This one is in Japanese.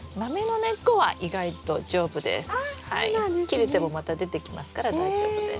切れてもまた出てきますから大丈夫です。